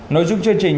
nội dung chương trình